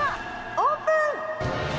オープン。